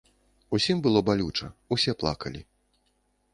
Усім было балюча, усе плакалі.